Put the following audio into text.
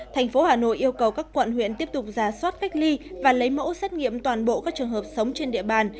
thành phố hà nội yêu cầu các quận huyện tiếp tục ra soát cách ly và lấy mẫu xét nghiệm toàn bộ các trường hợp sống trên địa bàn